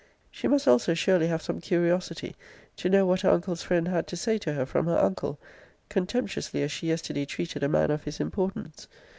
She must also surely have some curiosity to know what her uncle's friend had to say to her from her uncle, contemptuously as she yesterday treated a man of his importance.